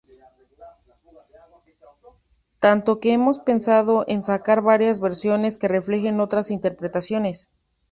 Tanto que Hemos pensado en sacar varias versiones que reflejen otras interpretaciones".